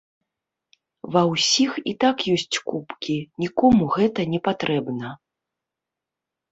Ва ўсіх і так ёсць кубкі, нікому гэта не патрэбна.